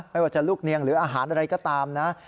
ไม่ว่าจะลูกเนียงหรืออาหารอะไรก็ตามนะ